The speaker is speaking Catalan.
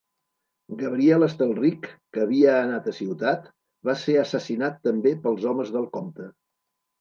Gabriel Estelrich, que havia anat a Ciutat, va ser assassinat també pels homes del comte.